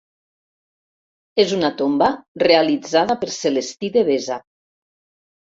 És una tomba realitzada per Celestí Devesa.